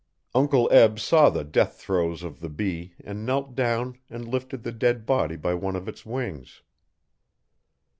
Uncle Eb saw the death throes of the bee and knelt down and lifted the dead body by one of its wings.